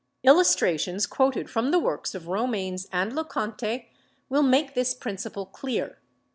Illustrations quoted from the works of Romanes and Le Conte will make this principle clear.